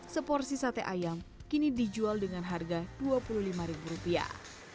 seporsi sate ayam kini dijual dengan harga dua puluh lima ribu rupiah